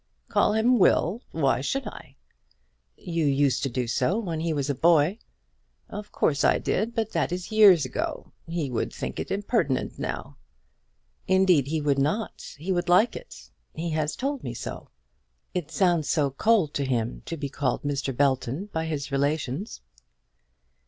"Call him Will! Why should I?" "You used to do so, when he was a boy." "Of course I did; but that is years ago. He would think it impertinent now." "Indeed he would not; he would like it. He has told me so. It sounds so cold to him to be called Mr. Belton by his relations."